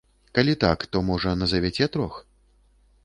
Калі так, то, можа, назавяце трох.